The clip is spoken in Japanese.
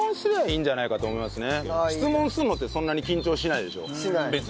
質問するのってそんなに緊張しないでしょ別に。